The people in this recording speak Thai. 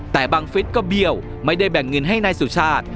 แต่บังฟิศก็เบี้ยวไม่ได้แบ่งเงินให้นายสุชาติ